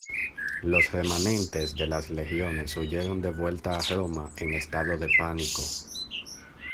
Los remanentes de las legiones huyeron de vuelta a Roma en estado de pánico.